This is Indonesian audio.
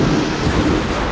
aku akan menang